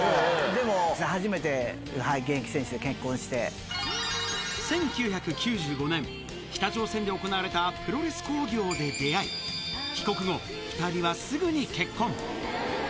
でも、初めて、現役選手で結婚し１９９５年、北朝鮮で行われたプロレス興行で出会い、帰国後、２人はすぐに結婚。